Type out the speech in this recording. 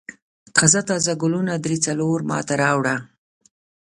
تازه تازه ګلونه درې څلور ما ته راوړه.